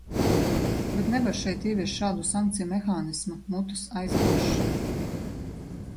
Bet nevar šeit ieviest šādu sankciju mehānismu, mutes aizbāšanu.